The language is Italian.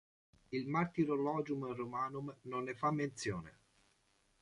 Il Martyrologium Romanum non ne fa menzione.